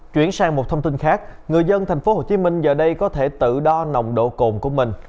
chuyển sang một thông tin khác người dân tp hcm giờ đây có thể tự đo nồng độ cồn của mình